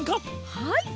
はい！